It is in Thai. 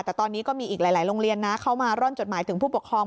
แต่ตอนนี้ก็มีอีกหลายโรงเรียนนะเข้ามาร่อนจดหมายถึงผู้ปกครอง